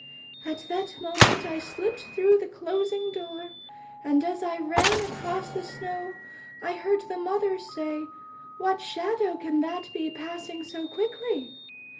At that moment I slipped through the closing door, and as I ran across the snow, I heard the mother say, 'What shadow can that be, passing so quickly?'